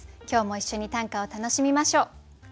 今日も一緒に短歌を楽しみましょう。